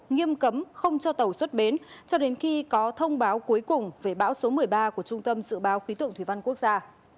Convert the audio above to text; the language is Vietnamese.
nghiêm cấm không cho tàu xuất bến cho đến khi có thông báo cuối cùng về bão số một mươi ba của trung tâm dự báo khí tượng thủy văn quốc gia